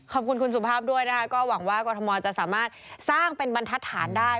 ขอบคุณคุณสุภาพด้วยนะคะก็หวังว่ากรทมจะสามารถสร้างเป็นบรรทัศน์ได้